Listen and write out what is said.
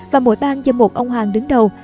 và mỗi bang do một ông hoàng đứng đầu